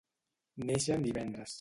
Néixer en divendres.